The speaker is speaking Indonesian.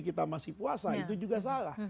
kita masih puasa itu juga salah